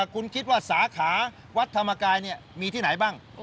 คุณคิดว่าสาขาวัดธรรมกายมีที่ไหนบ้าง